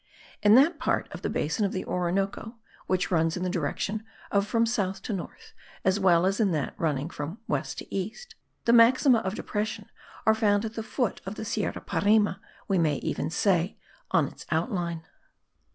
In that part of the basin of the Orinoco which runs in the direction of from south to north, as well as in that running from west to east, the maxima of depression are found at the foot of the Sierra Parime, we may even say, on its outline.